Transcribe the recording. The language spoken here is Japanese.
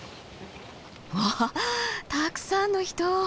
わあたくさんの人！